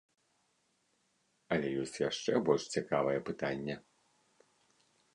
Але ёсць яшчэ больш цікавае пытанне.